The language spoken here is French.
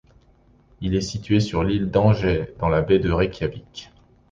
Il est situé sur l'île d'Engey, dans la baie de Reykjavik.